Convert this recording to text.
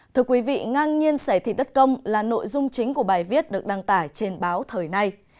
thưa quý vị ngang nhiên xảy thịt đất công là nội dung chính của bài viết được đăng tải trên báo thời nay